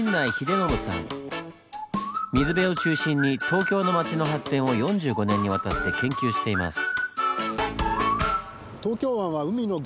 水辺を中心に東京の街の発展を４５年にわたって研究しています。